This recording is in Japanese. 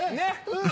うん。